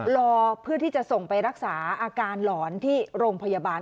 รอเพื่อที่จะส่งไปรักษาอาการหลอนที่โรงพยาบาล